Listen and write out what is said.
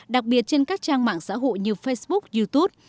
đặc biệt trên các trang mạng xã hội như facebook youtube